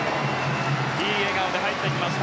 いい笑顔で入ってきました。